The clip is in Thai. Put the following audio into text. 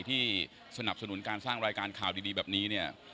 ที่สนับสนุนการสร้างรายการข่าวดีแบบนี้เนี่ย